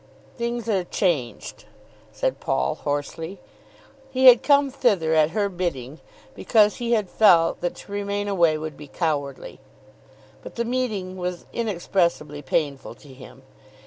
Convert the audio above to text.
"Things are changed," said Paul hoarsely. He had come thither at her bidding because he had felt that to remain away would be cowardly, but the meeting was inexpressibly painful to him.